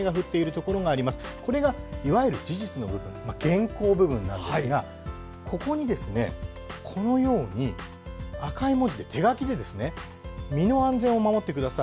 これが、いわゆる事実の原稿部分なんですがここに、このように赤い文字で、手書きで身の安全を守ってください。